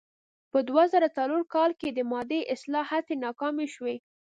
په دوه زره څلور کال کې د مادې اصلاح هڅې ناکامې شوې.